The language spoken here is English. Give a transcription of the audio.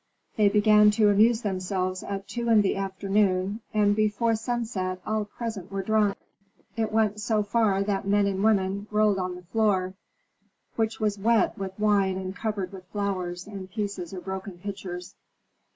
They began to amuse themselves at two in the afternoon, and before sunset all present were drunk. It went so far that men and women rolled on the floor, which was wet with wine and covered with flowers and pieces of broken pitchers.